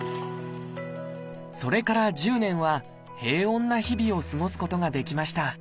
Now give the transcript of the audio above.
それから１０年は平穏な日々を過ごすことができました